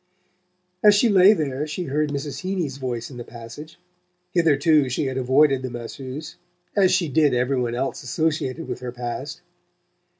As she lay there she heard Mrs. Heeny's voice in the passage. Hitherto she had avoided the masseuse, as she did every one else associated with her past.